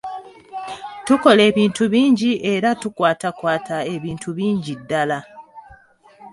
Tukola ebintu bingi era tukwatakwata ebintu bingi ddala.